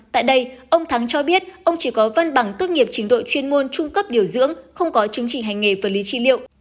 tại đây ông thắng cho biết ông chỉ có văn bằng tốt nghiệp trình độ chuyên môn trung cấp điều dưỡng không có chứng chỉ hành nghề vật lý trị liệu